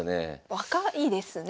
若いですね